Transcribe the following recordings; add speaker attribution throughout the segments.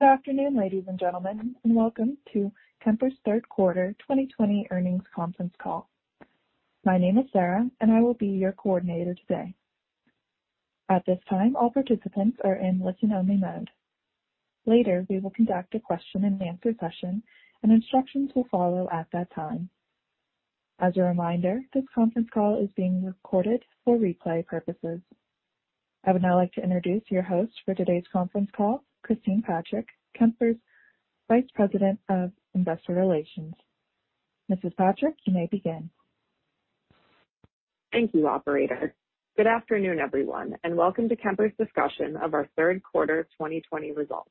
Speaker 1: Good afternoon, ladies and gentlemen, and welcome to Kemper's third quarter 2020 earnings conference call. My name is Sarah, and I will be your coordinator today. At this time, all participants are in listen-only mode. Later, we will conduct a question and answer session, and instructions will follow at that time. As a reminder, this conference call is being recorded for replay purposes. I would now like to introduce your host for today's conference call, Christine Patrick, Kemper's Vice President of Investor Relations. Mrs. Patrick, you may begin.
Speaker 2: Thank you, operator. Good afternoon, everyone, and welcome to Kemper's discussion of our third quarter 2020 results.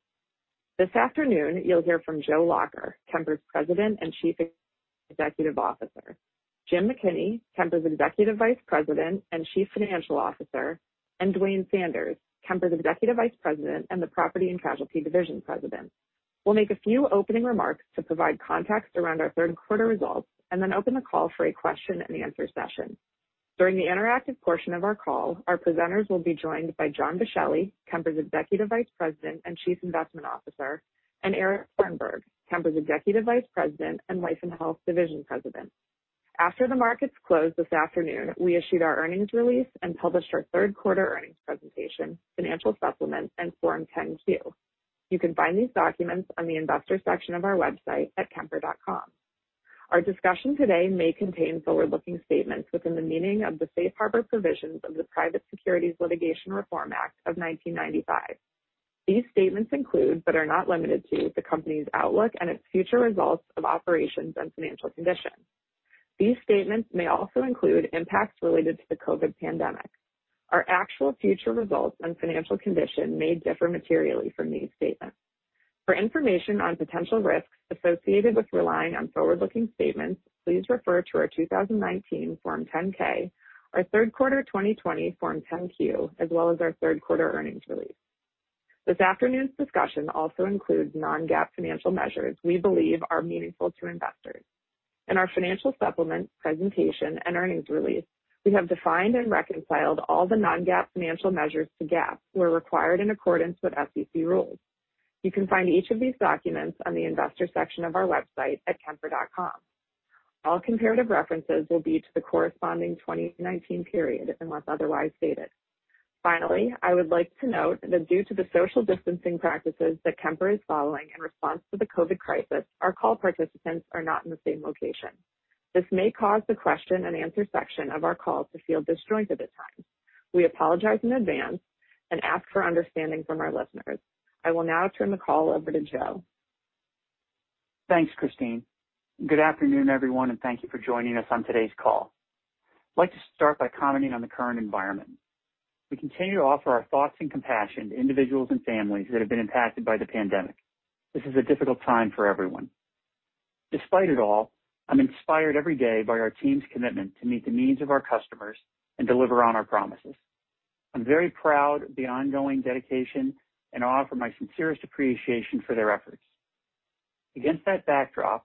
Speaker 2: This afternoon, you'll hear from Joe Lacher, Kemper's President and Chief Executive Officer, Jim McKinney, Kemper's Executive Vice President and Chief Financial Officer, and Duane Sanders, Kemper's Executive Vice President and the Property and Casualty Division President. We'll make a few opening remarks to provide context around our third quarter results and then open the call for a question and answer session. During the interactive portion of our call, our presenters will be joined by John Boschelli, Kemper's Executive Vice President and Chief Investment Officer, and Erich Sternberg, Kemper's Executive Vice President and Life and Health Division President. After the markets closed this afternoon, we issued our earnings release and published our third quarter earnings presentation, financial supplement, and Form 10-Q. You can find these documents on the investor section of our website at kemper.com. Our discussion today may contain forward-looking statements within the meaning of the Safe Harbor provisions of the Private Securities Litigation Reform Act of 1995. These statements include, but are not limited to, the company's outlook and its future results of operations and financial condition. These statements may also include impacts related to the COVID pandemic. Our actual future results and financial condition may differ materially from these statements. For information on potential risks associated with relying on forward-looking statements, please refer to our 2019 Form 10-K, our third quarter 2020 Form 10-Q, as well as our third quarter earnings release. This afternoon's discussion also includes non-GAAP financial measures we believe are meaningful to investors. In our financial supplement presentation and earnings release, we have defined and reconciled all the non-GAAP financial measures to GAAP where required in accordance with SEC rules. You can find each of these documents on the investor section of our website at kemper.com. All comparative references will be to the corresponding 2019 period unless otherwise stated. I would like to note that due to the social distancing practices that Kemper is following in response to the COVID crisis, our call participants are not in the same location. This may cause the question and answer section of our call to feel disjointed at times. We apologize in advance and ask for understanding from our listeners. I will now turn the call over to Joe.
Speaker 3: Thanks, Christine. Good afternoon, everyone, thank you for joining us on today's call. I'd like to start by commenting on the current environment. We continue to offer our thoughts and compassion to individuals and families that have been impacted by the pandemic. This is a difficult time for everyone. Despite it all, I'm inspired every day by our team's commitment to meet the needs of our customers and deliver on our promises. I'm very proud of the ongoing dedication and offer my sincerest appreciation for their efforts. Against that backdrop,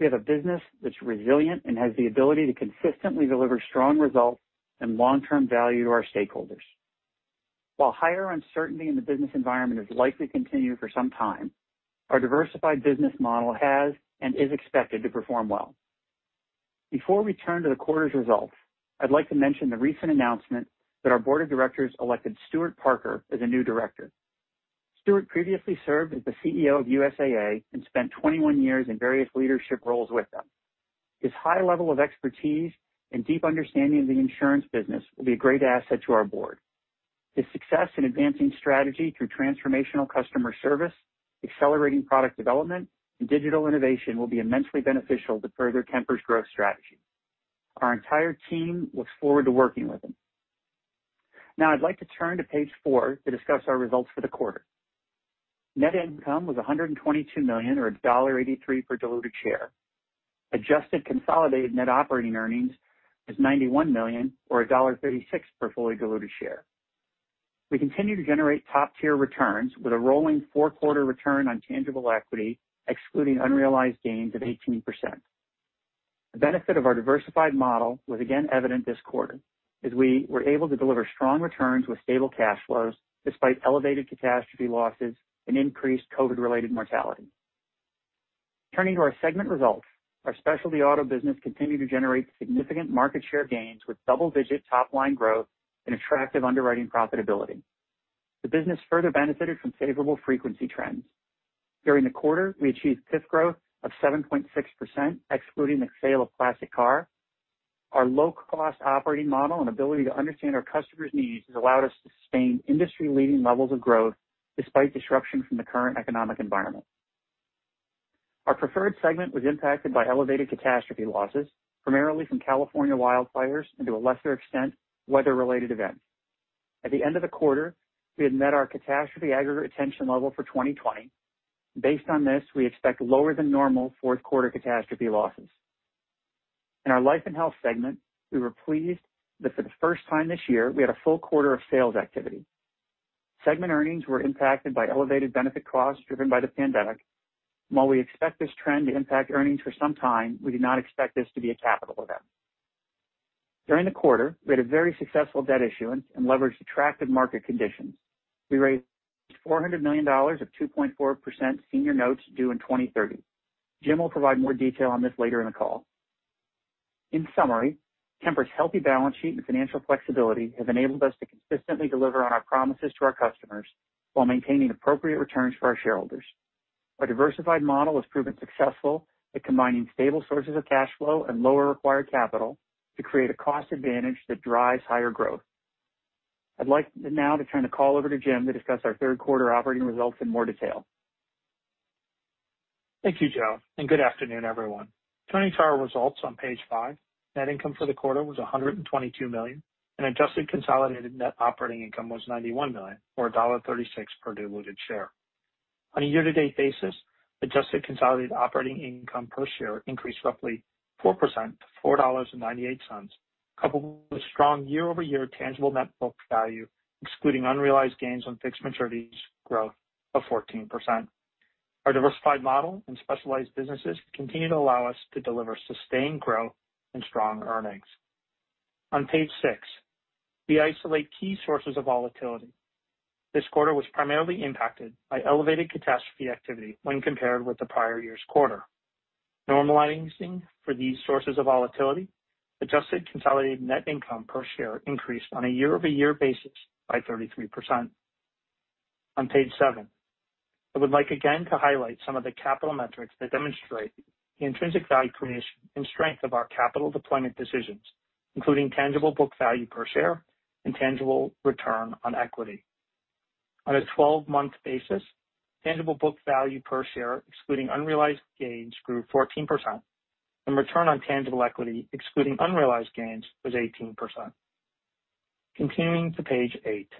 Speaker 3: we have a business that's resilient and has the ability to consistently deliver strong results and long-term value to our stakeholders. While higher uncertainty in the business environment is likely to continue for some time, our diversified business model has and is expected to perform well. Before we turn to the quarter's results, I'd like to mention the recent announcement that our board of directors elected Stuart Parker as a new director. Stuart previously served as the CEO of USAA and spent 21 years in various leadership roles with them. His high level of expertise and deep understanding of the insurance business will be a great asset to our board. His success in advancing strategy through transformational customer service, accelerating product development, and digital innovation will be immensely beneficial to further Kemper's growth strategy. Our entire team looks forward to working with him. I'd like to turn to page four to discuss our results for the quarter. Net income was $122 million, or $1.83 per diluted share. Adjusted consolidated net operating earnings is $91 million, or $1.36 per fully diluted share. We continue to generate top-tier returns with a rolling four-quarter return on tangible equity, excluding unrealized gains of 18%. The benefit of our diversified model was again evident this quarter, as we were able to deliver strong returns with stable cash flows despite elevated catastrophe losses and increased COVID-related mortality. Turning to our segment results, our specialty auto business continued to generate significant market share gains with double-digit top-line growth and attractive underwriting profitability. The business further benefited from favorable frequency trends. During the quarter, we achieved PIF growth of 7.6%, excluding the sale of Classic Collectors. Our low-cost operating model and ability to understand our customers' needs has allowed us to sustain industry-leading levels of growth despite disruption from the current economic environment. Our preferred segment was impacted by elevated catastrophe losses, primarily from California wildfires and, to a lesser extent, weather-related events. At the end of the quarter, we had met our catastrophe aggregate retention level for 2020. Based on this, we expect lower than normal fourth quarter catastrophe losses. In our Life and Health segment, we were pleased that for the first time this year, we had a full quarter of sales activity. Segment earnings were impacted by elevated benefit costs driven by the pandemic. While we expect this trend to impact earnings for some time, we do not expect this to be a capital event. During the quarter, we had a very successful debt issuance and leveraged attractive market conditions. We raised $400 million of 2.4% senior notes due in 2030. Jim will provide more detail on this later in the call. In summary, Kemper's healthy balance sheet and financial flexibility has enabled us to consistently deliver on our promises to our customers while maintaining appropriate returns for our shareholders. Our diversified model has proven successful at combining stable sources of cash flow and lower required capital to create a cost advantage that drives higher growth. I'd like now to turn the call over to Jim to discuss our third quarter operating results in more detail.
Speaker 4: Thank you, Joe, good afternoon, everyone. Turning to our results on page five, net income for the quarter was $122 million, and adjusted consolidated net operating income was $91 million, or $1.36 per diluted share. On a year-to-date basis, adjusted consolidated operating income per share increased roughly 4% to $4.98, coupled with strong year-over-year tangible net book value, excluding unrealized gains on fixed maturities growth of 14%. Our diversified model and specialized businesses continue to allow us to deliver sustained growth and strong earnings. On page six, we isolate key sources of volatility. This quarter was primarily impacted by elevated catastrophe activity when compared with the prior year's quarter. Normalizing for these sources of volatility, adjusted consolidated net income per share increased on a year-over-year basis by 33%. On page seven, I would like again to highlight some of the capital metrics that demonstrate the intrinsic value creation and strength of our capital deployment decisions, including tangible book value per share and return on tangible equity. On a 12-month basis, tangible book value per share, excluding unrealized gains, grew 14%, and return on tangible equity, excluding unrealized gains, was 18%. Continuing to page eight.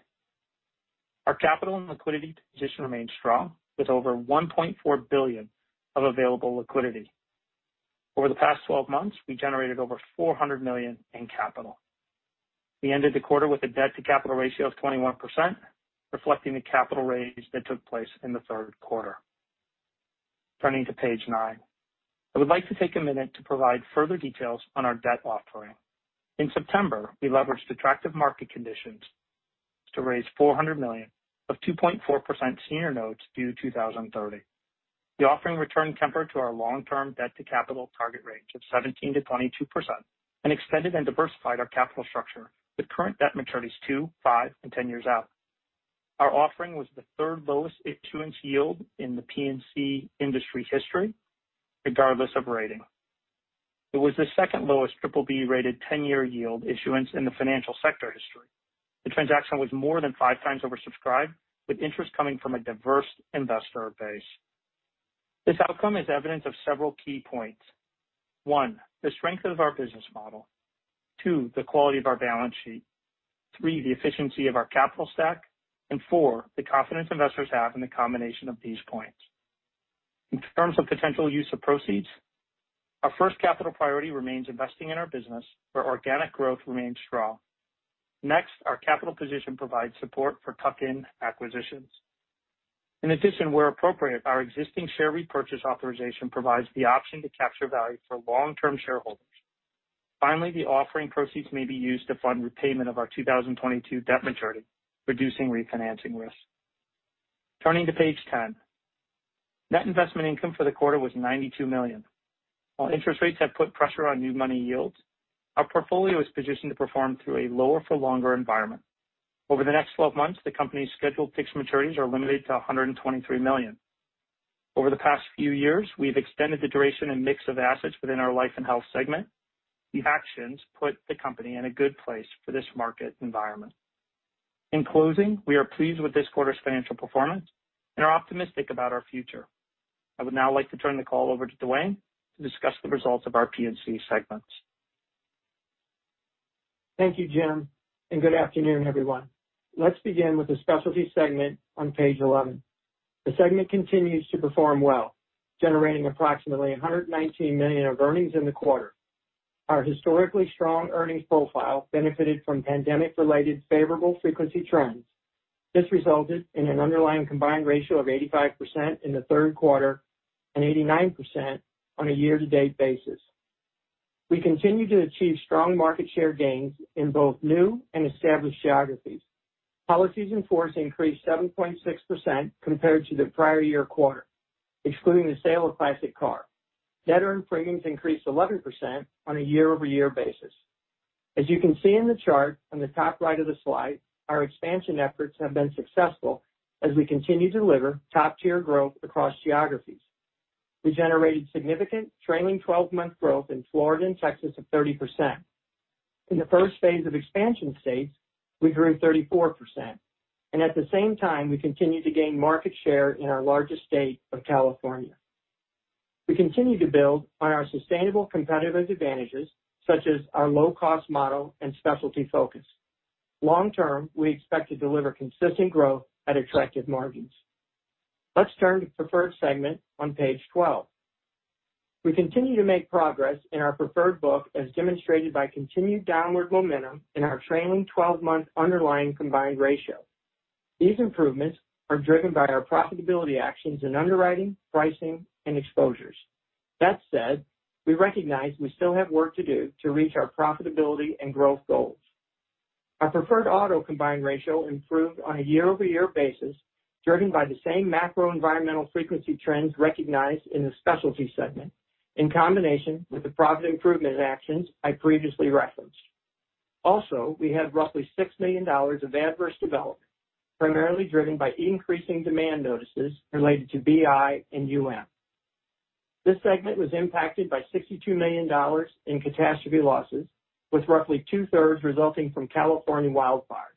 Speaker 4: Our capital and liquidity position remains strong with over $1.4 billion of available liquidity. Over the past 12 months, we generated over $400 million in capital. We ended the quarter with a debt-to-capital ratio of 21%, reflecting the capital raise that took place in the third quarter. Turning to page nine. I would like to take a minute to provide further details on our debt offering. In September, we leveraged attractive market conditions to raise $400 million of 2.4% senior notes due 2030. The offering returned Kemper to our long-term debt-to-capital target range of 17%-22%, and extended and diversified our capital structure with current debt maturities two, five, and 10 years out. Our offering was the third lowest issuance yield in the P&C industry history, regardless of rating. It was the second lowest BBB-rated 10-year yield issuance in the financial sector history. The transaction was more than five times oversubscribed, with interest coming from a diverse investor base. This outcome is evidence of several key points. One, the strength of our business model. Two, the quality of our balance sheet. Three, the efficiency of our capital stack. Four, the confidence investors have in the combination of these points. In terms of potential use of proceeds, our first capital priority remains investing in our business, where organic growth remains strong. Next, our capital position provides support for tuck-in acquisitions. In addition, where appropriate, our existing share repurchase authorization provides the option to capture value for long-term shareholders. Finally, the offering proceeds may be used to fund repayment of our 2022 debt maturity, reducing refinancing risk. Turning to page 10. Net investment income for the quarter was $92 million. While interest rates have put pressure on new money yields, our portfolio is positioned to perform through a lower for longer environment. Over the next 12 months, the company's scheduled fixed maturities are limited to $123 million. Over the past few years, we've extended the duration and mix of assets within our life and health segment. These actions put the company in a good place for this market environment. In closing, we are pleased with this quarter's financial performance and are optimistic about our future. I would now like to turn the call over to Duane to discuss the results of our P&C segments.
Speaker 5: Thank you, Jim, and good afternoon, everyone. Let's begin with the specialty segment on page 11. The segment continues to perform well, generating approximately $119 million of earnings in the quarter. Our historically strong earnings profile benefited from pandemic-related favorable frequency trends. This resulted in an underlying combined ratio of 85% in the third quarter and 89% on a year-to-date basis. We continue to achieve strong market share gains in both new and established geographies. Policies in force increased 7.6% compared to the prior year quarter, excluding the sale of Classic Collectors. net earned premiums increased 11% on a year-over-year basis. As you can see in the chart on the top right of the slide, our expansion efforts have been successful as we continue to deliver top-tier growth across geographies. We generated significant trailing 12-month growth in Florida and Texas of 30%. In the first phase of expansion states, we grew 34%, and at the same time, we continued to gain market share in our largest state of California. We continue to build on our sustainable competitive advantages, such as our low-cost model and specialty focus. Long term, we expect to deliver consistent growth at attractive margins. Let's turn to preferred segment on page 12. We continue to make progress in our preferred book, as demonstrated by continued downward momentum in our trailing 12-month underlying combined ratio. These improvements are driven by our profitability actions in underwriting, pricing, and exposures. We recognize we still have work to do to reach our profitability and growth goals. Our preferred auto combined ratio improved on a year-over-year basis, driven by the same macro environmental frequency trends recognized in the specialty segment, in combination with the profit improvement actions I previously referenced. We had roughly $6 million of adverse development, primarily driven by increasing demand notices related to BI and UM. This segment was impacted by $62 million in catastrophe losses, with roughly two-thirds resulting from California wildfires.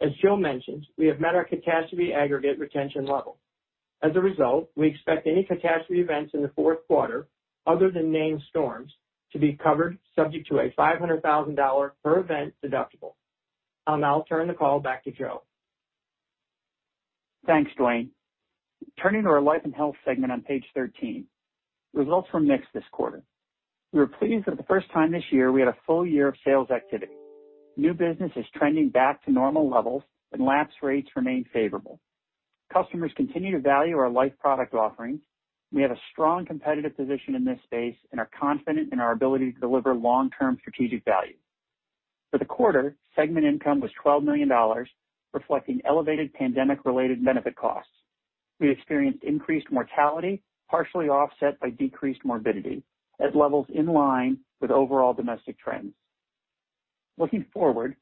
Speaker 5: As Joe mentioned, we have met our catastrophe aggregate retention level. We expect any catastrophe events in the fourth quarter, other than named storms, to be covered subject to a $500,000 per event deductible. I'll now turn the call back to Joe.
Speaker 3: Thanks, Duane. Turning to our Life and Health segment on Page 13. Results were mixed this quarter. We were pleased that the first time this year we had a full year of sales activity. New business is trending back to normal levels and lapse rates remain favorable. Customers continue to value our life product offerings. We have a strong competitive position in this space and are confident in our ability to deliver long-term strategic value. For the quarter, segment income was $12 million, reflecting elevated pandemic-related benefit costs. We experienced increased mortality, partially offset by decreased morbidity at levels in line with overall domestic trends. Looking forward,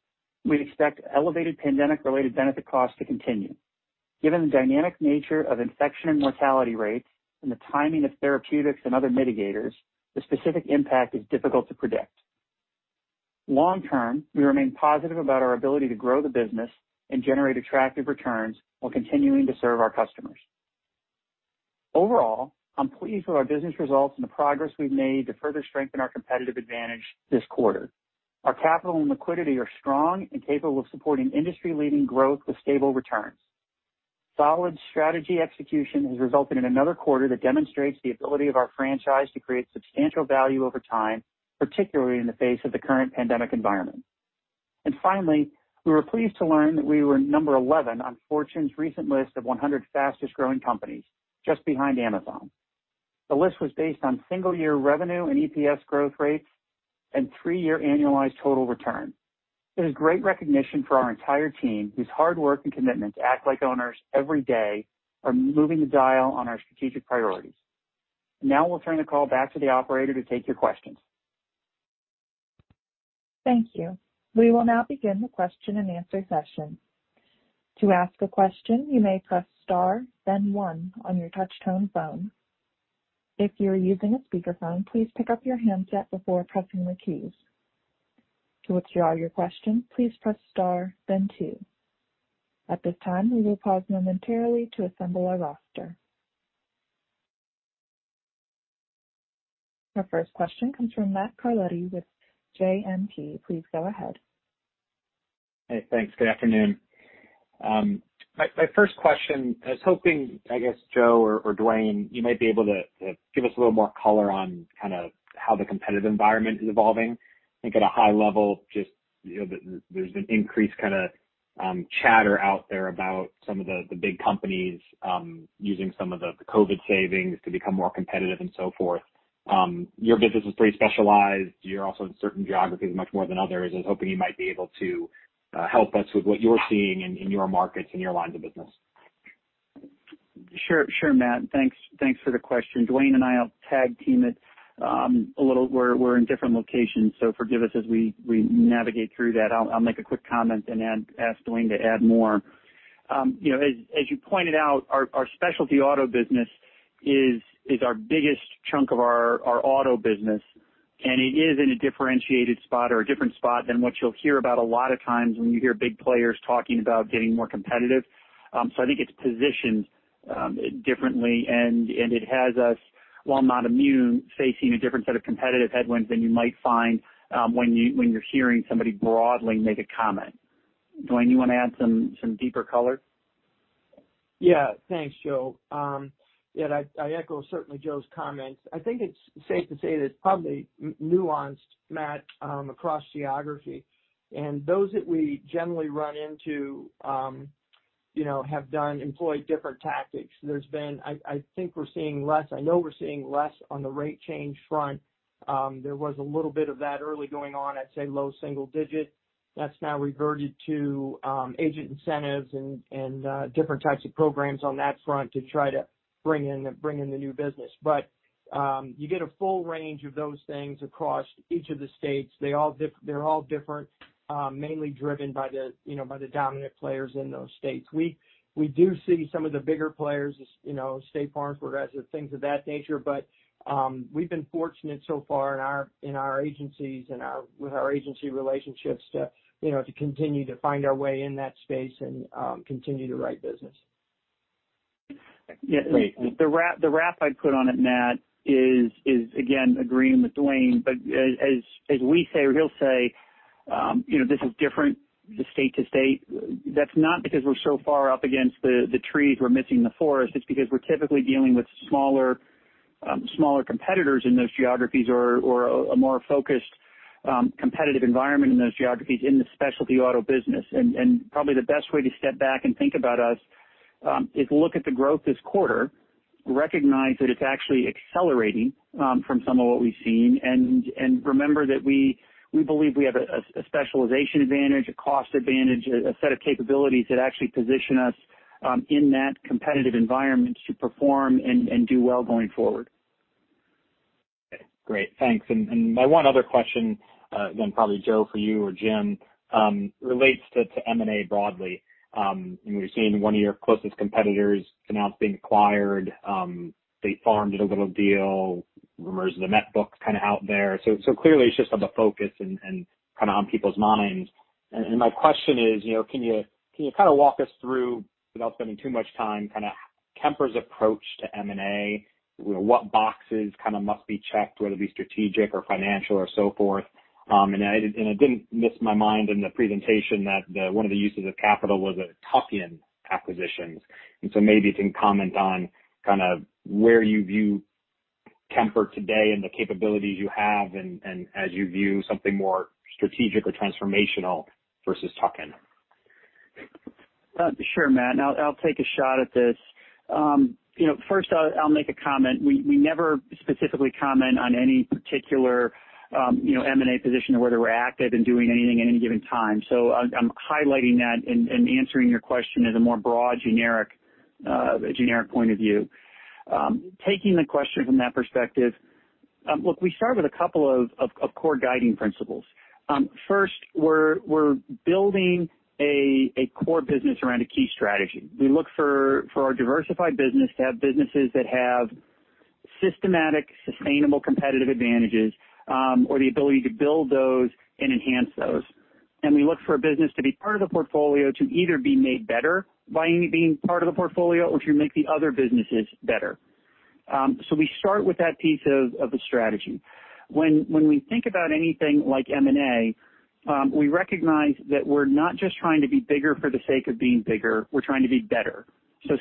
Speaker 3: we expect elevated pandemic-related benefit costs to continue. Given the dynamic nature of infection and mortality rates and the timing of therapeutics and other mitigators, the specific impact is difficult to predict. Long term, we remain positive about our ability to grow the business and generate attractive returns while continuing to serve our customers. Overall, I'm pleased with our business results and the progress we've made to further strengthen our competitive advantage this quarter. Our capital and liquidity are strong and capable of supporting industry-leading growth with stable returns. Solid strategy execution has resulted in another quarter that demonstrates the ability of our franchise to create substantial value over time, particularly in the face of the current pandemic environment. Finally, we were pleased to learn that we were number 11 on Fortune's recent list of 100 fastest-growing companies, just behind Amazon. The list was based on single-year revenue and EPS growth rates and three-year annualized total return. It is great recognition for our entire team, whose hard work and commitment to act like owners every day are moving the dial on our strategic priorities. I will turn the call back to the operator to take your questions.
Speaker 1: Thank you. We will now begin the question and answer session. To ask a question, you may press star then one on your touch tone phone. If you are using speaker phone, please pick up you handset before pressing the keys. To withdraw your question, please press star then two. At this time, we will pause momentarily to assemble our roster. Our first question comes from Matt Carletti with JMP. Please go ahead.
Speaker 6: Hey, thanks. Good afternoon. My first question, I was hoping, I guess Joe or Duane, you might be able to give us a little more color on how the competitive environment is evolving. I think at a high level, just there's an increased chatter out there about some of the big companies using some of the COVID savings to become more competitive and so forth. Your business is pretty specialized. You're also in certain geographies much more than others. I was hoping you might be able to help us with what you're seeing in your markets and your lines of business.
Speaker 3: Sure, Matt. Thanks for the question. Duane and I will tag team it a little. We're in different locations, so forgive us as we navigate through that. I'll make a quick comment and then ask Duane to add more. As you pointed out, our specialty auto business is our biggest chunk of our auto business, and it is in a differentiated spot or a different spot than what you'll hear about a lot of times when you hear big players talking about getting more competitive. I think it's positioned differently, and it has us, while not immune, facing a different set of competitive headwinds than you might find when you're hearing somebody broadly make a comment. Duane, you want to add some deeper color?
Speaker 5: Yeah. Thanks, Joe. I echo, certainly, Joe's comments. I think it's safe to say that it's probably nuanced, Matt, across geography, and those that we generally run into have employed different tactics. I know we're seeing less on the rate change front. There was a little bit of that early going on at, say, low single digit. That's now reverted to agent incentives and different types of programs on that front to try to bring in the new business. You get a full range of those things across each of the states. They're all different, mainly driven by the dominant players in those states. We do see some of the bigger players, State Farm, Progressive, things of that nature, but we've been fortunate so far in our agencies and with our agency relationships to continue to find our way in that space and continue to write business.
Speaker 3: The wrap I'd put on it, Matt, is again, agreeing with Duane, as we say or he'll say this is different state to state. That's not because we're so far up against the trees, we're missing the forest. It's because we're typically dealing with smaller competitors in those geographies or a more focused competitive environment in those geographies in the specialty auto business. Probably the best way to step back and think about us is look at the growth this quarter, recognize that it's actually accelerating from some of what we've seen, and remember that we believe we have a specialization advantage, a cost advantage, a set of capabilities that actually position us in that competitive environment to perform and do well going forward.
Speaker 6: Great. Thanks. My one other question, then probably Joe for you or Jim, relates to M&A broadly. We've seen one of your closest competitors announce being acquired. State Farm did a little deal, rumors of the MetLife book out there. Clearly it's just on the focus and on people's minds. My question is, can you walk us through, without spending too much time, Kemper's approach to M&A? What boxes must be checked, whether it be strategic or financial or so forth? It didn't miss my mind in the presentation that one of the uses of capital was tuck-in acquisitions. Maybe you can comment on where you view Kemper today and the capabilities you have as you view something more strategic or transformational versus tuck-in.
Speaker 3: Sure, Matt. I'll take a shot at this. First, I'll make a comment. We never specifically comment on any particular M&A position or whether we're active in doing anything at any given time. I'm highlighting that and answering your question in a more broad, generic point of view. Taking the question from that perspective, look, we start with a couple of core guiding principles. First, we're building a core business around a key strategy. We look for our diversified business to have businesses that have systematic, sustainable competitive advantages or the ability to build those and enhance those. We look for a business to be part of the portfolio to either be made better by being part of the portfolio or to make the other businesses better. We start with that piece of the strategy. When we think about anything like M&A, we recognize that we're not just trying to be bigger for the sake of being bigger. We're trying to be better.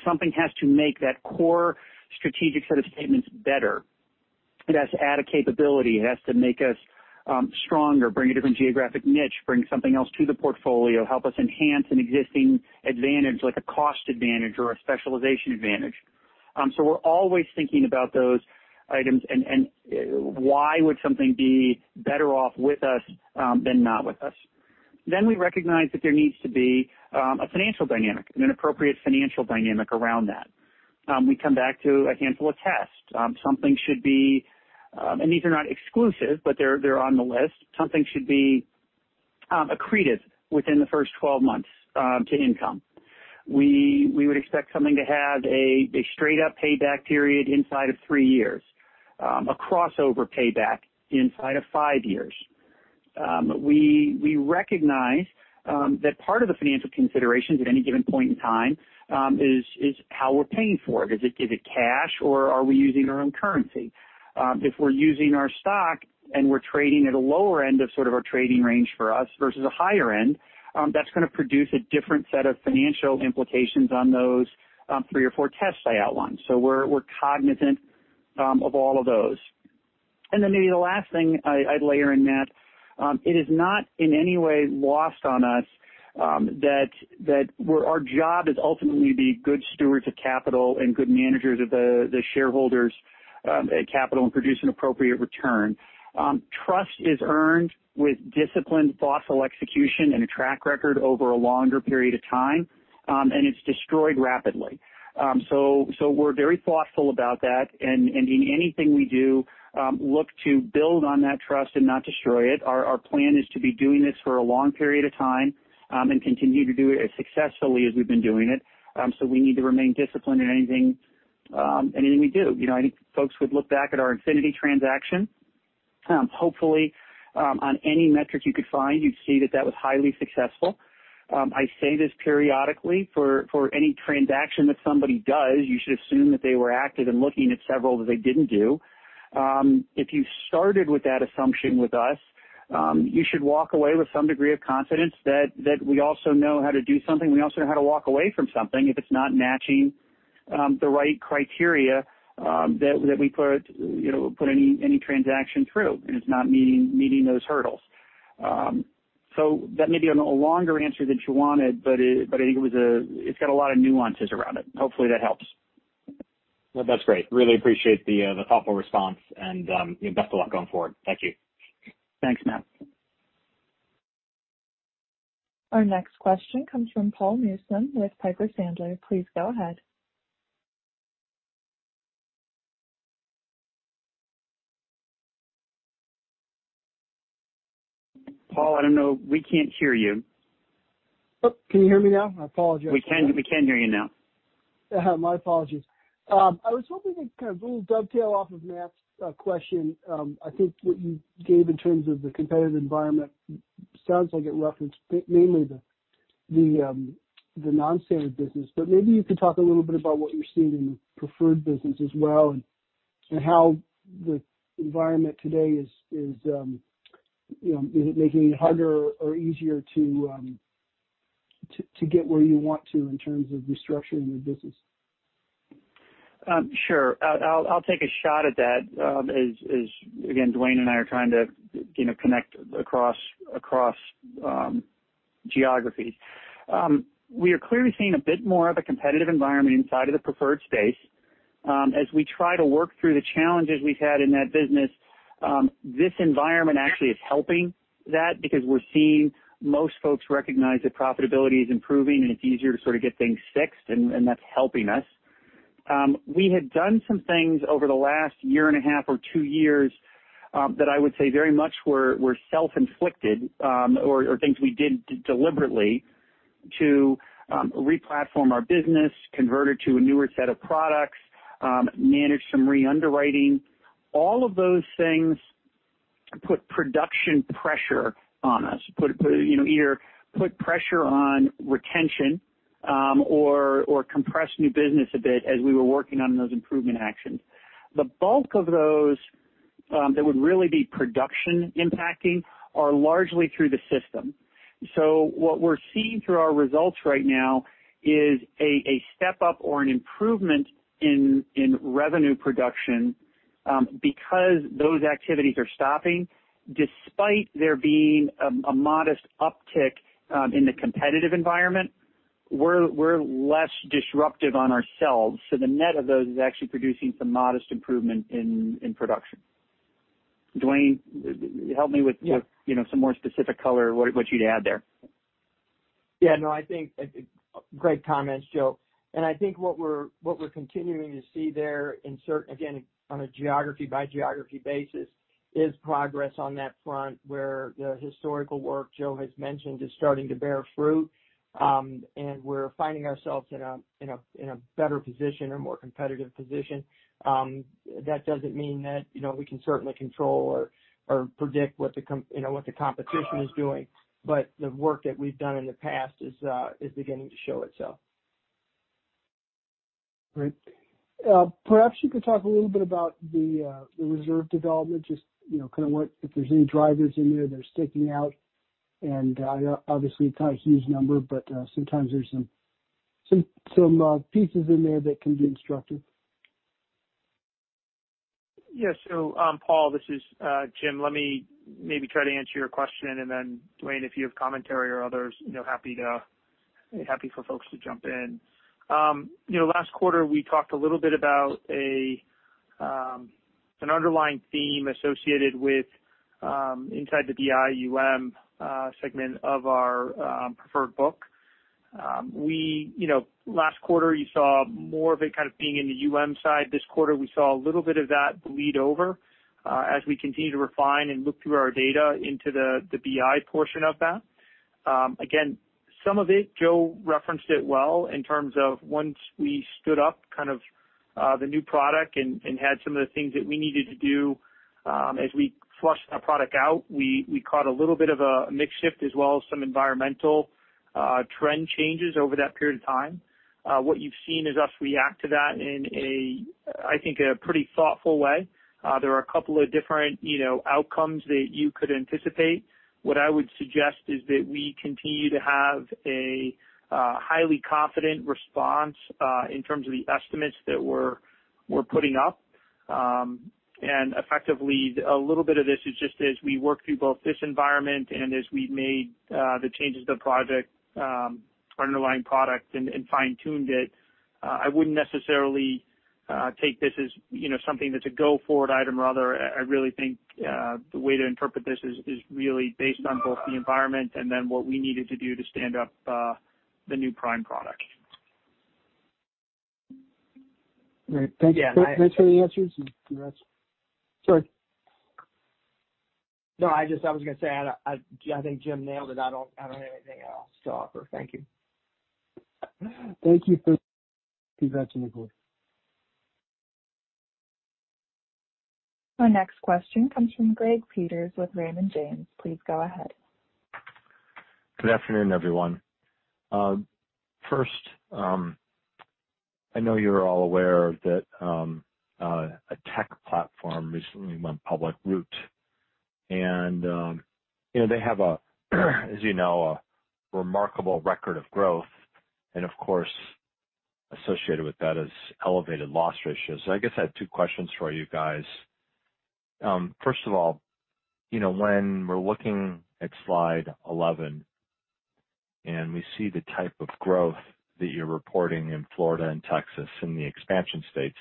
Speaker 3: Something has to make that core strategic set of statements better. It has to add a capability. It has to make us stronger, bring a different geographic niche, bring something else to the portfolio, help us enhance an existing advantage, like a cost advantage or a specialization advantage. We're always thinking about those items and why would something be better off with us than not with us. We recognize that there needs to be a financial dynamic and an appropriate financial dynamic around that. We come back to a handful of tests. Something should be, and these are not exclusive, but they're on the list. Something should be accretive within the first 12 months to income. We would expect something to have a straight up payback period inside of three years. A crossover payback inside of five years. We recognize that part of the financial considerations at any given point in time is how we're paying for it. Is it cash or are we using our own currency? If we're using our stock and we're trading at a lower end of sort of our trading range for us versus a higher end, that's going to produce a different set of financial implications on those three or four tests I outlined. We're cognizant of all of those. Then maybe the last thing I'd layer in, Matt, it is not in any way lost on us that our job is ultimately to be good stewards of capital and good managers of the shareholders' capital and produce an appropriate return. Trust is earned with disciplined, thoughtful execution and a track record over a longer period of time, and it's destroyed rapidly. We're very thoughtful about that and in anything we do, look to build on that trust and not destroy it. Our plan is to be doing this for a long period of time and continue to do it as successfully as we've been doing it. We need to remain disciplined in anything we do. I think folks would look back at our Infinity transaction. Hopefully, on any metric you could find, you'd see that that was highly successful. I say this periodically. For any transaction that somebody does, you should assume that they were active in looking at several that they didn't do. If you started with that assumption with us, you should walk away with some degree of confidence that we also know how to do something. We also know how to walk away from something if it's not matching the right criteria that we put any transaction through, and it's not meeting those hurdles. That may be a longer answer than you wanted, but I think it's got a lot of nuances around it. Hopefully that helps.
Speaker 6: Well, that's great. Really appreciate the thoughtful response and best of luck going forward. Thank you.
Speaker 3: Thanks, Matt.
Speaker 1: Our next question comes from Paul Newsome with Piper Sandler. Please go ahead.
Speaker 3: Paul, I don't know. We can't hear you.
Speaker 7: Oh, can you hear me now? I apologize.
Speaker 3: We can hear you now.
Speaker 7: My apologies. I was hoping to kind of do a little dovetail off of Matt's question. I think what you gave in terms of the competitive environment sounds like it referenced mainly the non-standard business. Maybe you could talk a little bit about what you're seeing in the preferred business as well, and how the environment today is making it harder or easier to get where you want to in terms of restructuring your business.
Speaker 3: Sure. I'll take a shot at that as, again, Duane and I are trying to connect across geographies. We are clearly seeing a bit more of a competitive environment inside of the preferred space. As we try to work through the challenges we've had in that business, this environment actually is helping that because we're seeing most folks recognize that profitability is improving, and it's easier to sort of get things fixed, and that's helping us. We had done some things over the last year and a half or two years that I would say very much were self-inflicted or things we did deliberately to re-platform our business, convert it to a newer set of products, manage some re-underwriting. All of those things put production pressure on us, either put pressure on retention or compressed new business a bit as we were working on those improvement actions. The bulk of those that would really be production impacting are largely through the system. What we're seeing through our results right now is a step up or an improvement in revenue production because those activities are stopping despite there being a modest uptick in the competitive environment, we're less disruptive on ourselves. The net of those is actually producing some modest improvement in production. Duane, help me with.
Speaker 5: Yeah.
Speaker 3: Some more specific color, what you'd add there?
Speaker 5: Yeah, no, I think great comments, Joe. I think what we're continuing to see there in certain, again, on a geography by geography basis, is progress on that front where the historical work Joe has mentioned is starting to bear fruit. We're finding ourselves in a better position or more competitive position. That doesn't mean that we can certainly control or predict what the competition is doing, but the work that we've done in the past is beginning to show itself.
Speaker 7: Great. Perhaps you could talk a little bit about the reserve development, just if there's any drivers in there that are sticking out, and obviously a huge number, but sometimes there's some pieces in there that can be instructive.
Speaker 4: Paul, this is Jim. Let me maybe try to answer your question, and then Duane, if you have commentary or others, happy for folks to jump in. Last quarter, we talked a little bit about an underlying theme associated with inside the BI/UM segment of our preferred book. Last quarter, you saw more of it kind of being in the UM side. This quarter, we saw a little bit of that bleed over as we continue to refine and look through our data into the BI portion of that. Some of it, Joe referenced it well in terms of once we stood up the new product and had some of the things that we needed to do as we flushed that product out, we caught a little bit of a mix shift as well as some environmental trend changes over that period of time. What you've seen is us react to that in, I think, a pretty thoughtful way. There are a couple of different outcomes that you could anticipate. What I would suggest is that we continue to have a highly confident response in terms of the estimates that we're putting up. Effectively, a little bit of this is just as we work through both this environment and as we've made the changes to the product, our underlying product, and fine-tuned it. I wouldn't necessarily take this as something that's a go-forward item. Rather, I really think the way to interpret this is really based on both the environment and then what we needed to do to stand up the new Prime product.
Speaker 7: Great. Thank you.
Speaker 5: Yeah.
Speaker 7: Thanks for the answers. Sorry.
Speaker 5: No, I was going to say, I think Jim nailed it. I don't have anything else to offer. Thank you.
Speaker 7: Thank you. Please go ahead to the queue.
Speaker 1: Our next question comes from Greg Peters with Raymond James. Please go ahead.
Speaker 8: Good afternoon, everyone. First, I know you're all aware that a tech platform recently went public, Root, and they have a, as you know, a remarkable record of growth, and of course, associated with that is elevated loss ratios. I guess I have two questions for you guys. First of all, when we're looking at slide 11, and we see the type of growth that you're reporting in Florida and Texas in the expansion states,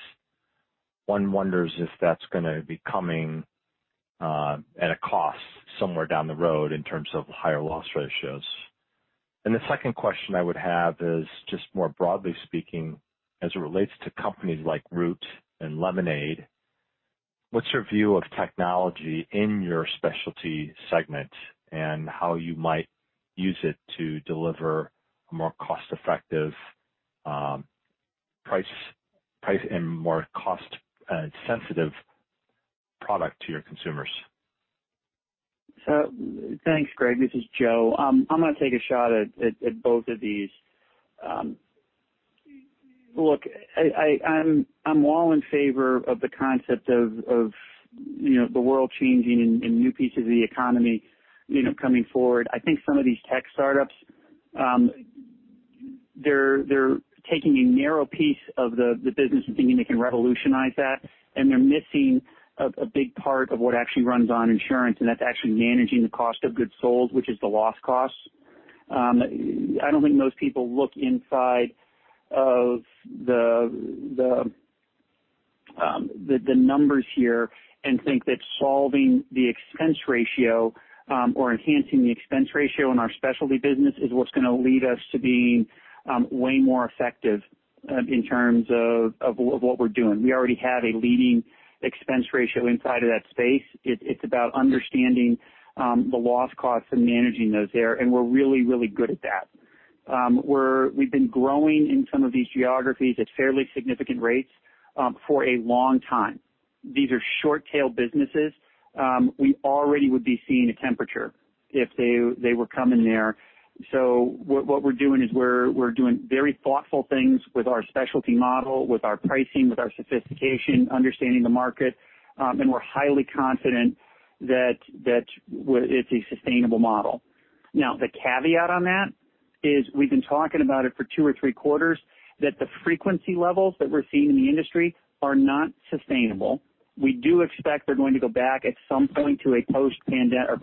Speaker 8: one wonders if that's going to be coming at a cost somewhere down the road in terms of higher loss ratios. The second question I would have is just more broadly speaking, as it relates to companies like Root and Lemonade, what's your view of technology in your specialty segment and how you might use it to deliver a more cost-effective price and more cost-sensitive product to your consumers?
Speaker 3: Thanks, Greg. This is Joe. I'm going to take a shot at both of these. Look, I'm all in favor of the concept of the world changing and new pieces of the economy coming forward. I think some of these tech startups, they're taking a narrow piece of the business and thinking they can revolutionize that, and they're missing a big part of what actually runs on insurance, and that's actually managing the cost of goods sold, which is the loss costs. I don't think most people look inside of the numbers here and think that solving the expense ratio or enhancing the expense ratio in our specialty business is what's going to lead us to being way more effective in terms of what we're doing. We already have a leading expense ratio inside of that space. It's about understanding the loss costs and managing those there, and we're really, really good at that. We've been growing in some of these geographies at fairly significant rates for a long time. These are short-tail businesses. We already would be seeing a temperature if they were coming there. What we're doing is we're doing very thoughtful things with our specialty model, with our pricing, with our sophistication, understanding the market. We're highly confident that it's a sustainable model. Now, the caveat on that is we've been talking about it for two or three quarters, that the frequency levels that we're seeing in the industry are not sustainable. We do expect they're going to go back at some point to a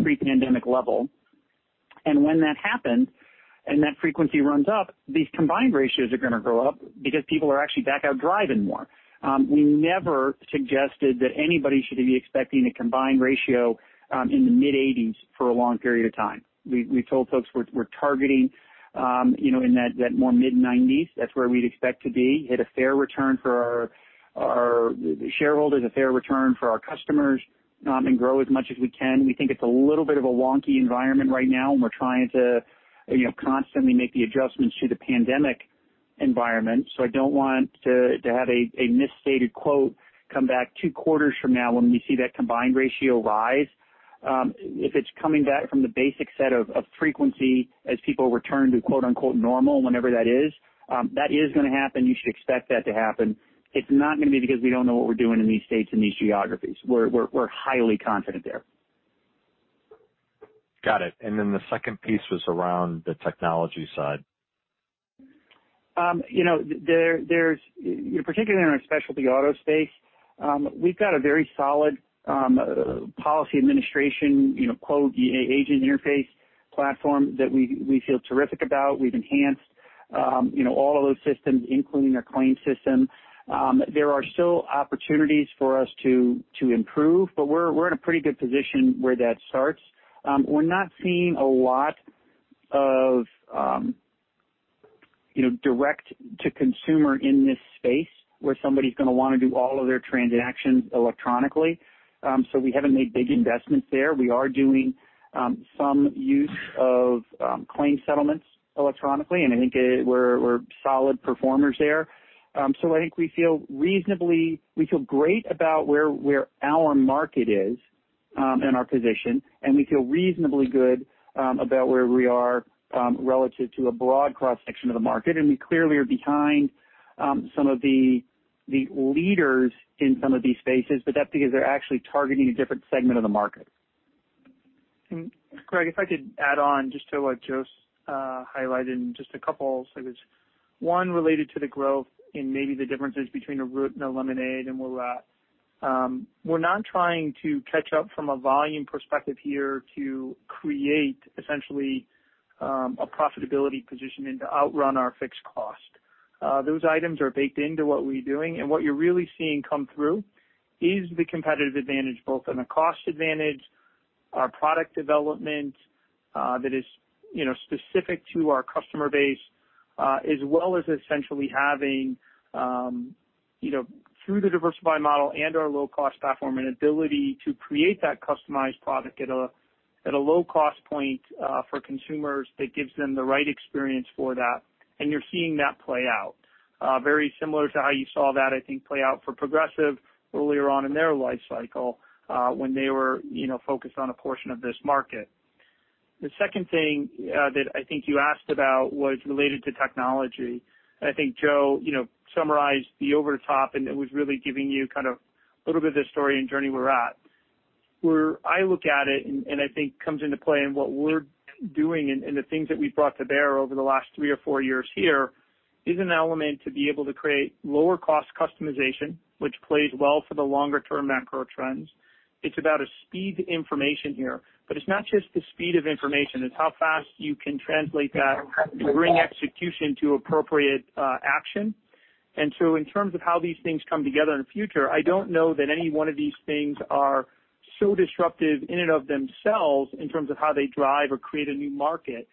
Speaker 3: pre-pandemic level. When that happens, and that frequency runs up, these combined ratios are going to go up because people are actually back out driving more. We never suggested that anybody should be expecting a combined ratio in the mid-80s for a long period of time. We told folks we're targeting in that more mid-90s. That's where we'd expect to be, hit a fair return for our shareholders, a fair return for our customers, and grow as much as we can. We think it's a little bit of a wonky environment right now, and we're trying to constantly make the adjustments to the pandemic environment. I don't want to have a misstated quote come back two quarters from now when we see that combined ratio rise. If it's coming back from the basic set of frequency as people return to quote-unquote "normal," whenever that is, that is going to happen. You should expect that to happen. It's not going to be because we don't know what we're doing in these states and these geographies. We're highly confident there.
Speaker 8: Got it. The second piece was around the technology side.
Speaker 3: Particularly in our specialty auto space, we've got a very solid policy administration, quote, "agent interface platform" that we feel terrific about. We've enhanced all of those systems, including our claim system. There are still opportunities for us to improve, but we're in a pretty good position where that starts. We're not seeing a lot of direct-to-consumer in this space where somebody's going to want to do all of their transactions electronically. We haven't made big investments there. We are doing some use of claim settlements electronically, and I think we're solid performers there. I think we feel great about where our market is and our position, and we feel reasonably good about where we are relative to a broad cross-section of the market. We clearly are behind some of the leaders in some of these spaces, but that's because they're actually targeting a different segment of the market.
Speaker 4: Greg, if I could add on just to what Joe's highlighted in just a couple slides. One related to the growth in maybe the differences between a Root and a Lemonade and where we're at. We're not trying to catch up from a volume perspective here to create essentially a profitability position and to outrun our fixed cost. Those items are baked into what we're doing, and what you're really seeing come through is the competitive advantage, both on the cost advantage, our product development that is specific to our customer base, as well as essentially having through the diversified model and our low-cost platform, an ability to create that customized product at a low-cost point for consumers that gives them the right experience for that. You're seeing that play out. Very similar to how you saw that, I think, play out for Progressive earlier on in their life cycle when they were focused on a portion of this market. The second thing that I think you asked about was related to technology. I think Joe summarized the over-the-top, and it was really giving you kind of a little bit of the story and journey we're at. Where I look at it, and I think comes into play in what we're doing and the things that we've brought to bear over the last three or four years here, is an element to be able to create lower-cost customization, which plays well for the longer-term macro trends. It's about a speed to information here. It's not just the speed of information, it's how fast you can translate that to bring execution to appropriate action. In terms of how these things come together in the future, I don't know that any one of these things are so disruptive in and of themselves in terms of how they drive or create a new market.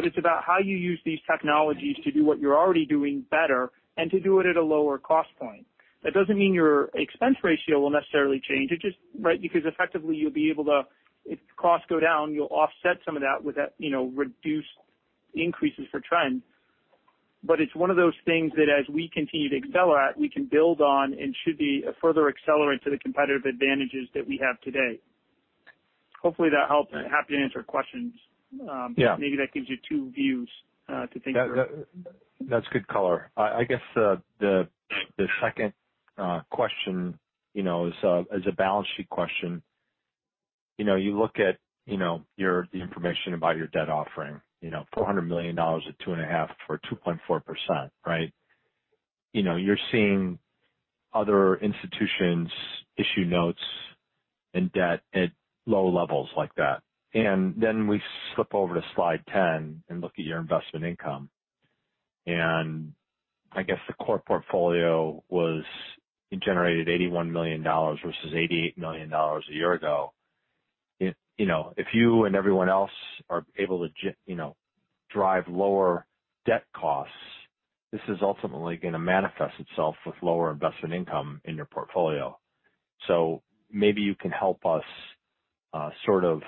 Speaker 4: It's about how you use these technologies to do what you're already doing better and to do it at a lower cost point. That doesn't mean your expense ratio will necessarily change. It just, right, because effectively, you'll be able to, if costs go down, you'll offset some of that with that reduced increases for trend. It's one of those things that as we continue to excel at, we can build on and should be a further accelerant to the competitive advantages that we have today. Hopefully that helps. Happy to answer questions.
Speaker 8: Yeah.
Speaker 4: Maybe that gives you two views to think through.
Speaker 8: That's good color. I guess the second question is a balance sheet question. You look at the information about your debt offering, $400 million at 2.5 for 2.4%, right? You're seeing other institutions issue notes and debt at low levels like that. Then we flip over to slide 10 and look at your investment income. I guess the core portfolio generated $81 million versus $88 million a year ago. If you and everyone else are able to drive lower debt costs, this is ultimately going to manifest itself with lower investment income in your portfolio. Maybe you can help us sort of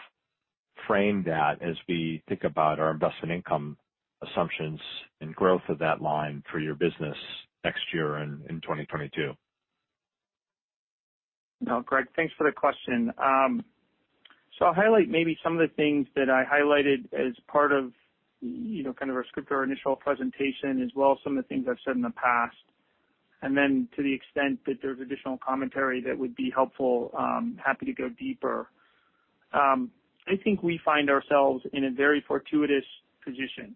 Speaker 8: frame that as we think about our investment income assumptions and growth of that line for your business next year in 2022.
Speaker 4: No, Greg, thanks for the question. I'll highlight maybe some of the things that I highlighted as part of kind of our script or initial presentation, as well as some of the things I've said in the past. To the extent that there's additional commentary that would be helpful, happy to go deeper. I think we find ourselves in a very fortuitous position.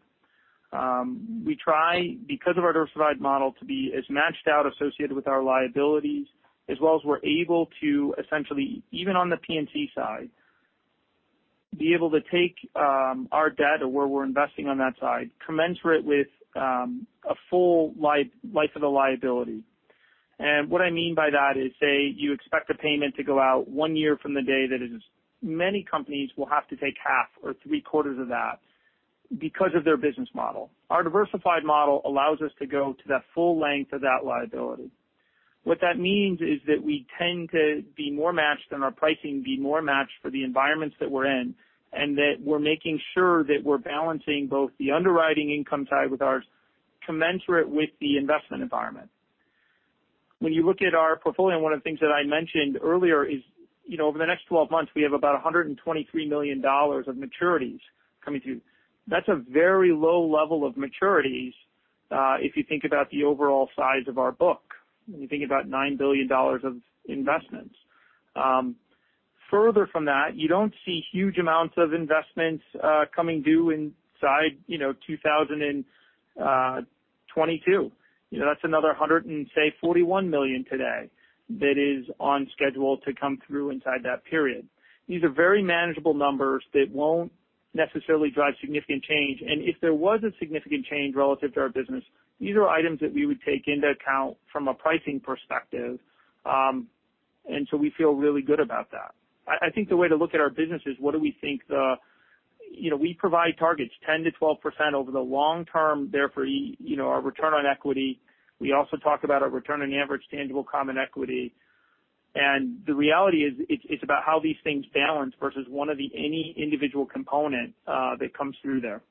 Speaker 4: We try, because of our diversified model, to be as matched out associated with our liabilities, as well as we're able to essentially, even on the P&C side, be able to take our debt or where we're investing on that side, commensurate with a full life of the liability. What I mean by that is, say, you expect a payment to go out one year from the day that is, many companies will have to take half or three quarters of that because of their business model. Our diversified model allows us to go to the full length of that liability. What that means is that we tend to be more matched and our pricing be more matched for the environments that we're in, and that we're making sure that we're balancing both the underwriting income side with ours commensurate with the investment environment. When you look at our portfolio, and one of the things that I mentioned earlier is, over the next 12 months, we have about $123 million of maturities coming due. That's a very low level of maturities if you think about the overall size of our book. When you think about $9 billion of investments. Further from that, you don't see huge amounts of investments coming due inside 2022. That's another $141 million today that is on schedule to come through inside that period. These are very manageable numbers that won't necessarily drive significant change. If there was a significant change relative to our business, these are items that we would take into account from a pricing perspective. We feel really good about that. I think the way to look at our business is what do we think we provide targets 10%-12% over the long term. Therefore, our return on equity. We also talk about our return on average tangible common equity. The reality is, it's about how these things balance versus one of any individual component that comes through there.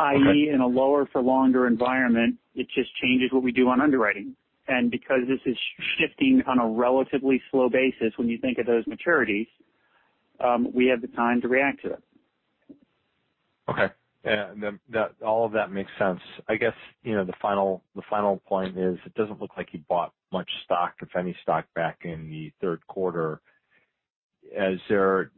Speaker 8: Okay.
Speaker 4: I.e., in a lower for longer environment, it just changes what we do on underwriting. Because this is shifting on a relatively slow basis, when you think of those maturities, we have the time to react to them.
Speaker 8: Okay. All of that makes sense. I guess, the final point is it doesn't look like you bought much stock, if any stock back in the third quarter. Is there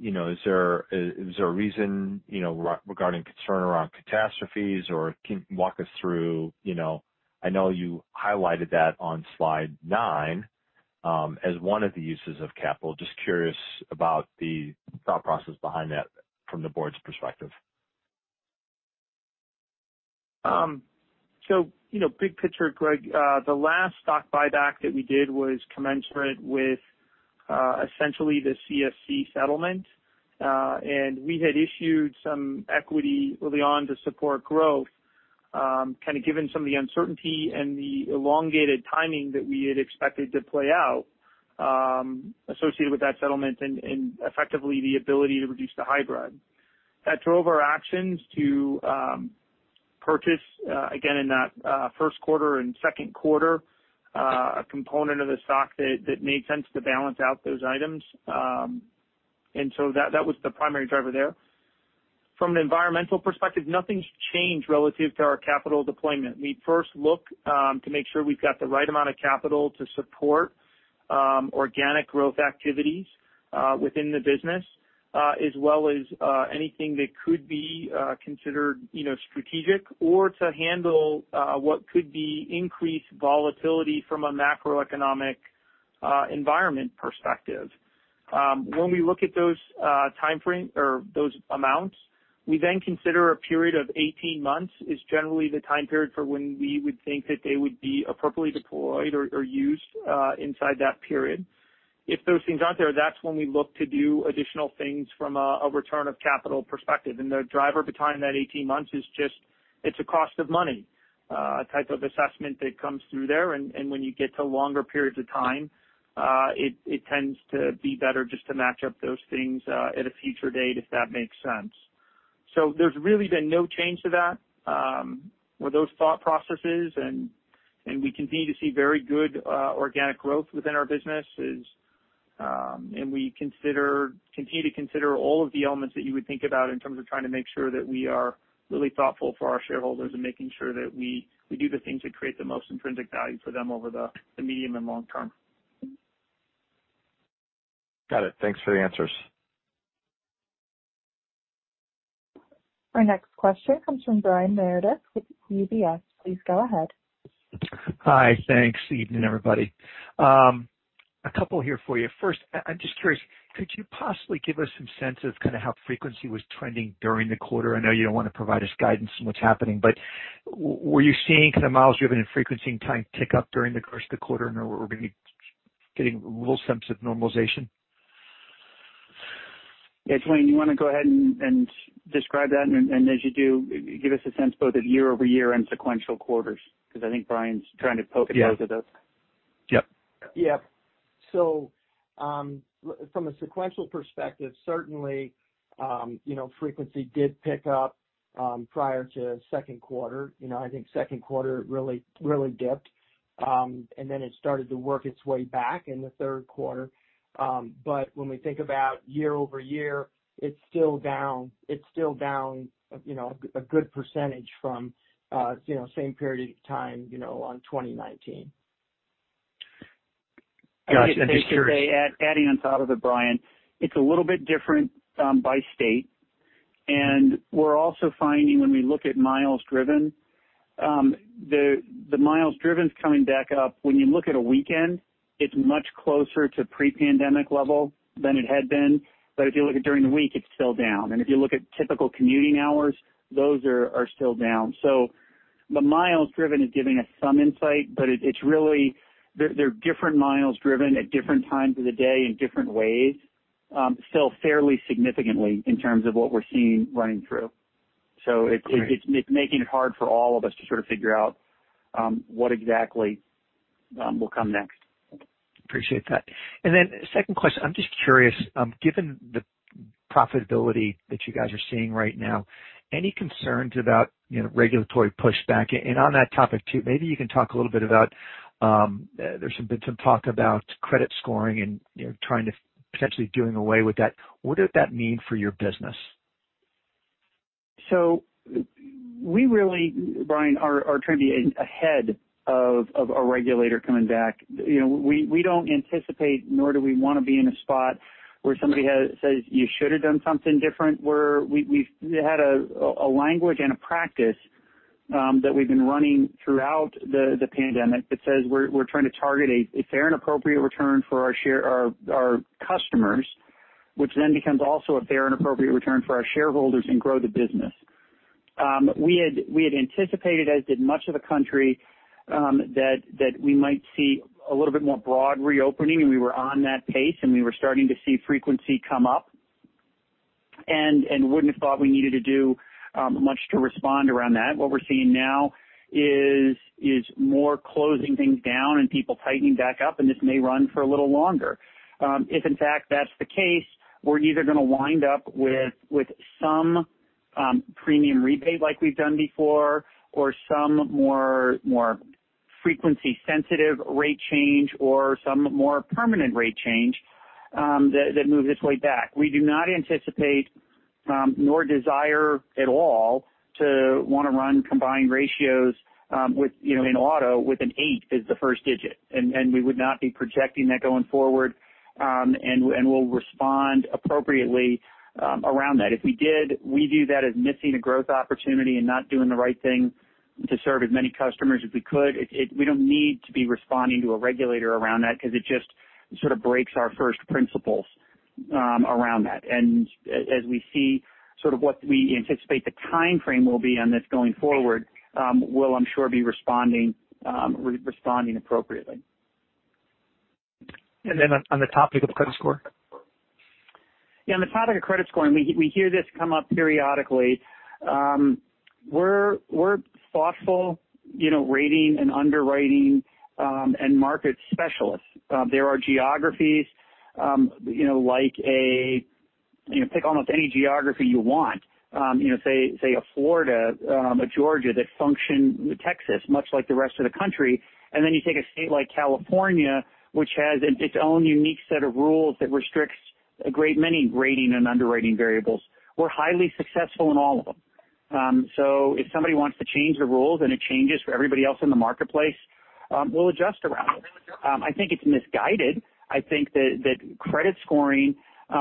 Speaker 8: a reason regarding concern around catastrophes or can you walk us through, I know you highlighted that on slide nine as one of the uses of capital. Just curious about the thought process behind that from the board's perspective.
Speaker 4: Big picture, Greg. The last stock buyback that we did was commensurate with essentially the CFC settlement. We had issued some equity early on to support growth kind of given some of the uncertainty and the elongated timing that we had expected to play out associated with that settlement and effectively the ability to reduce the hybrid. That drove our actions to purchase again in that first quarter and second quarter a component of the stock that made sense to balance out those items. That was the primary driver there. From an environmental perspective, nothing's changed relative to our capital deployment. We first look to make sure we've got the right amount of capital to support organic growth activities within the business as well as anything that could be considered strategic or to handle what could be increased volatility from a macroeconomic environment perspective. When we look at those time frame or those amounts, we then consider a period of 18 months is generally the time period for when we would think that they would be appropriately deployed or used inside that period. If those things aren't there, that's when we look to do additional things from a return of capital perspective. The driver behind that 18 months is just, it's a cost of money type of assessment that comes through there. When you get to longer periods of time it tends to be better just to match up those things at a future date, if that makes sense. There's really been no change to that, with those thought processes, and we continue to see very good organic growth within our businesses. We continue to consider all of the elements that you would think about in terms of trying to make sure that we are really thoughtful for our shareholders and making sure that we do the things that create the most intrinsic value for them over the medium and long term.
Speaker 8: Got it. Thanks for the answers.
Speaker 1: Our next question comes from Brian Meredith with UBS. Please go ahead.
Speaker 9: Hi. Thanks. Evening, everybody. A couple here for you. First, I'm just curious, could you possibly give us some sense of kind of how frequency was trending during the quarter? I know you don't want to provide us guidance on what's happening, but were you seeing kind of miles driven and frequency and time tick up during the course of the quarter, in other words, are we getting a little sense of normalization?
Speaker 3: Yeah. Duane, you want to go ahead and describe that? As you do, give us a sense both at year-over-year and sequential quarters, because I think Brian's trying to poke at both of those.
Speaker 5: Yep. From a sequential perspective, certainly frequency did pick up prior to second quarter. I think second quarter it really dipped, and then it started to work its way back in the third quarter. When we think about year-over-year, it's still down a good percentage from same period of time on 2019.
Speaker 9: Gotcha. I'm just curious.
Speaker 3: Adding on top of it, Brian, it's a little bit different by state, and we're also finding when we look at miles driven, the miles driven's coming back up. When you look at a weekend, it's much closer to pre-pandemic level than it had been. If you look at during the week, it's still down. If you look at typical commuting hours, those are still down. The miles driven is giving us some insight, but they're different miles driven at different times of the day in different ways, still fairly significantly in terms of what we're seeing running through. It's making it hard for all of us to sort of figure out what exactly will come next.
Speaker 9: Appreciate that. Second question, I'm just curious, given the profitability that you guys are seeing right now, any concerns about regulatory pushback? On that topic too, maybe you can talk a little bit about, there's been some talk about credit scoring and trying to potentially doing away with that. What does that mean for your business?
Speaker 3: We really, Brian, are trying to be ahead of a regulator coming back. We don't anticipate nor do we want to be in a spot where somebody says you should have done something different, where we've had a language and a practice that we've been running throughout the pandemic that says we're trying to target a fair and appropriate return for our customers, which then becomes also a fair and appropriate return for our shareholders and grow the business. We had anticipated, as did much of the country, that we might see a little bit more broad reopening, and we were on that pace, and we were starting to see frequency come up and wouldn't have thought we needed to do much to respond around that. What we're seeing now is more closing things down and people tightening back up, and this may run for a little longer. If in fact that's the case, we're either going to wind up with some premium rebate like we've done before or some more frequency sensitive rate change or some more permanent rate change that move this way back. We do not anticipate nor desire at all to want to run combined ratios in auto with an eight as the first digit. We would not be projecting that going forward, and we'll respond appropriately around that. If we did, we view that as missing a growth opportunity and not doing the right thing to serve as many customers as we could. We don't need to be responding to a regulator around that because it just sort of breaks our first principles around that. As we see sort of what we anticipate the timeframe will be on this going forward, we'll I'm sure be responding appropriately.
Speaker 9: On the topic of credit score.
Speaker 3: Yeah, on the topic of credit scoring, we hear this come up periodically. We're thoughtful rating and underwriting and market specialists. There are geographies like pick almost any geography you want. Say a Florida, a Georgia that function, Texas, much like the rest of the country. Then you take a state like California, which has its own unique set of rules that restricts a great many rating and underwriting variables. We're highly successful in all of them. If somebody wants to change the rules and it changes for everybody else in the marketplace, we'll adjust around it. I think it's misguided. I think that credit scoring,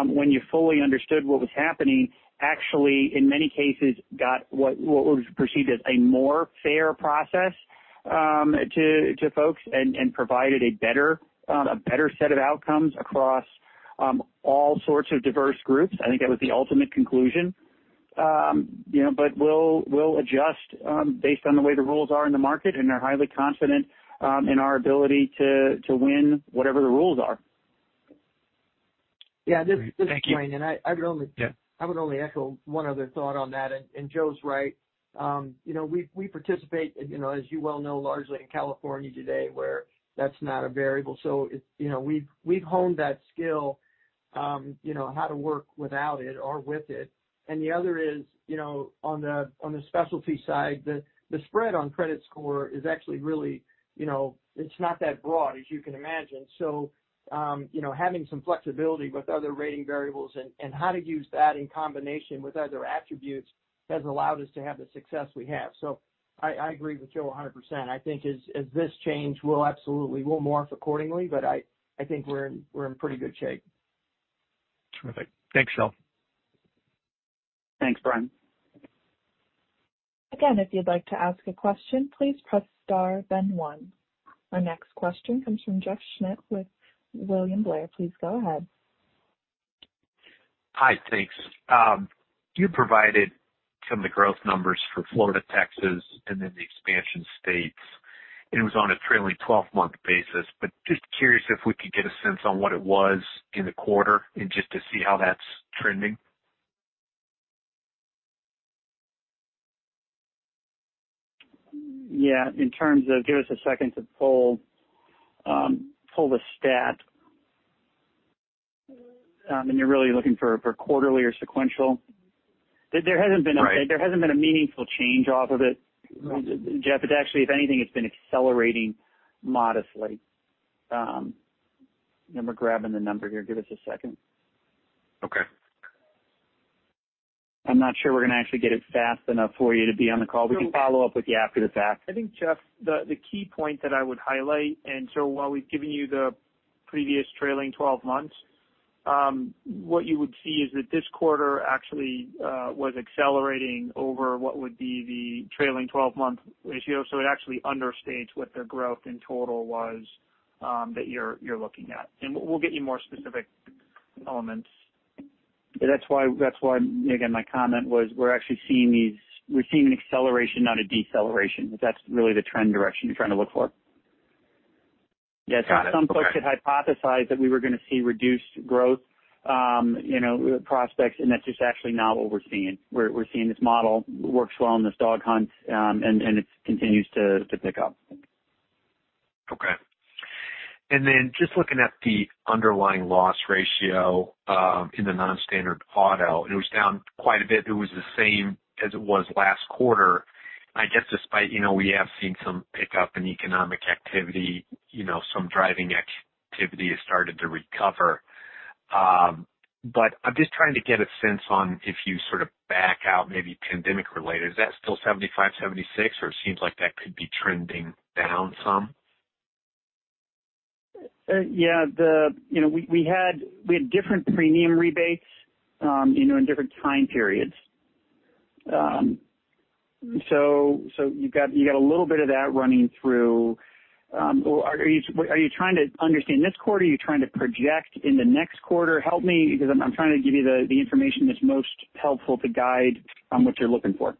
Speaker 3: when you fully understood what was happening, actually, in many cases, got what was perceived as a more fair process to folks and provided a better set of outcomes across all sorts of diverse groups. I think that was the ultimate conclusion. We'll adjust based on the way the rules are in the market, and are highly confident in our ability to win whatever the rules are.
Speaker 9: Great. Thank you.
Speaker 5: Yeah, this is Duane, I would only echo one other thought on that. Joe's right. We participate as you well know, largely in California today where that's not a variable. We've honed that skill, how to work without it or with it. The other is, on the specialty side, the spread on credit score is actually really, it's not that broad, as you can imagine. Having some flexibility with other rating variables and how to use that in combination with other attributes has allowed us to have the success we have. I agree with Joe 100%. I think as this change will absolutely morph accordingly, but I think we're in pretty good shape.
Speaker 9: Terrific. Thanks, Joe.
Speaker 3: Thanks, Brian.
Speaker 1: If you would like to ask a question, please press star then one. Our next question comes from Jeff Schmitt with William Blair. Please go ahead.
Speaker 10: Hi, thanks. You provided some of the growth numbers for Florida, Texas, and then the expansion states, and it was on a trailing 12-month basis. I'm just curious if we could get a sense on what it was in the quarter and just to see how that's trending.
Speaker 3: Yeah. Give us a second to pull the stat. You're really looking for quarterly or sequential?
Speaker 10: Right.
Speaker 3: There hasn't been a meaningful change off of it, Jeff. It's actually, if anything, it's been accelerating modestly. We're grabbing the number here. Give us a second.
Speaker 10: Okay.
Speaker 3: I'm not sure we're going to actually get it fast enough for you to be on the call. We can follow up with you after the fact.
Speaker 4: I think, Jeff, the key point that I would highlight, while we've given you the previous trailing 12 months, what you would see is that this quarter actually was accelerating over what would be the trailing 12-month ratio. It actually understates what their growth in total was that you're looking at. We'll get you more specific elements.
Speaker 3: That's why, again, my comment was we're actually seeing an acceleration, not a deceleration. That's really the trend direction you're trying to look for.
Speaker 10: Got it. Okay.
Speaker 3: Yes. At some points it hypothesized that we were going to see reduced growth prospects, and that's just actually not what we're seeing. We're seeing this model works well in this dog hunt, and it continues to pick up.
Speaker 10: Okay. Then just looking at the underlying loss ratio, in the non-standard auto, it was down quite a bit. It was the same as it was last quarter, I guess despite we have seen some pickup in economic activity, some driving activity has started to recover. I'm just trying to get a sense on if you sort of back out maybe pandemic-related, is that still 75, 76, or it seems like that could be trending down some?
Speaker 3: Yeah. We had different premium rebates in different time periods. You've got a little bit of that running through. Are you trying to understand this quarter? Are you trying to project in the next quarter? Help me because I'm trying to give you the information that's most helpful to guide on what you're looking for.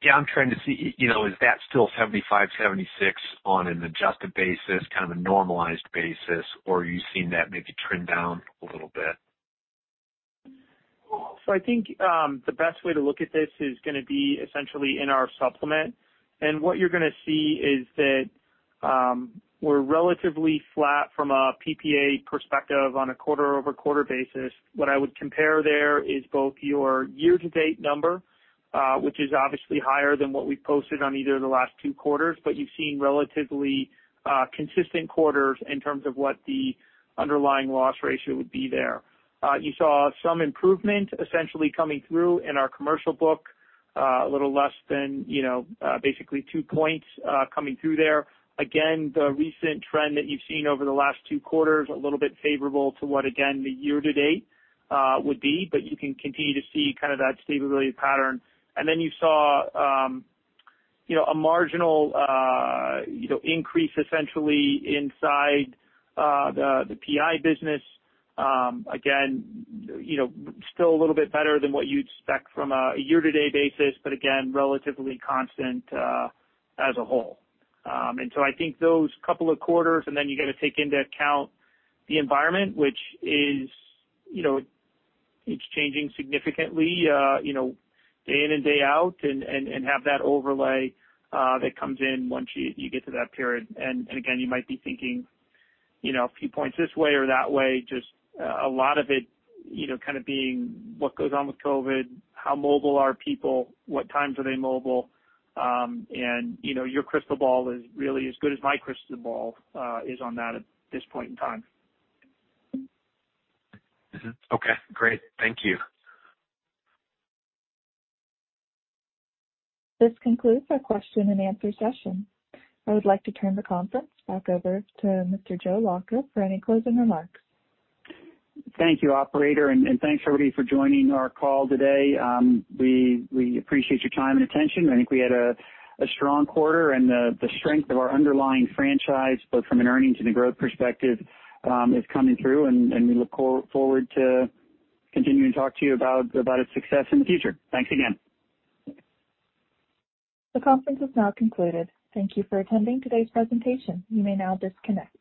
Speaker 10: Yeah, I'm trying to see, is that still 75, 76 on an adjusted basis, kind of a normalized basis, or are you seeing that maybe trend down a little bit?
Speaker 4: I think, the best way to look at this is going to be essentially in our supplement. What you're going to see is that we're relatively flat from a PPA perspective on a quarter-over-quarter basis. What I would compare there is both your year-to-date number, which is obviously higher than what we've posted on either of the last two quarters, but you've seen relatively consistent quarters in terms of what the underlying loss ratio would be there. You saw some improvement essentially coming through in our commercial book, a little less than basically two points coming through there. Again, the recent trend that you've seen over the last two quarters, a little bit favorable to what again, the year-to-date would be, but you can continue to see that stability pattern. You saw a marginal increase essentially inside the PI business. Still a little bit better than what you'd expect from a year-to-date basis, but again, relatively constant as a whole. I think those couple of quarters, and then you got to take into account the environment, which is changing significantly day in and day out, and have that overlay that comes in once you get to that period. Again, you might be thinking a few points this way or that way, just a lot of it kind of being what goes on with COVID, how mobile are people, what times are they mobile? Your crystal ball is really as good as my crystal ball is on that at this point in time.
Speaker 10: Mm-hmm. Okay, great. Thank you.
Speaker 1: This concludes our question and answer session. I would like to turn the conference back over to Mr. Joe Lacher for any closing remarks.
Speaker 3: Thank you, operator, and thanks, everybody, for joining our call today. We appreciate your time and attention. I think we had a strong quarter, and the strength of our underlying franchise, both from an earnings and a growth perspective, is coming through, and we look forward to continuing to talk to you about its success in the future. Thanks again.
Speaker 1: The conference has now concluded. Thank you for attending today's presentation. You may now disconnect.